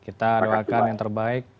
kita doakan yang terbaik